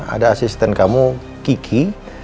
ada asisten kamu kiki